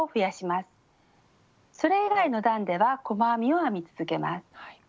それ以外の段では細編みを編み続けます。